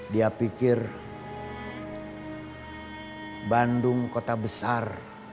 dia pikir bandung kota besar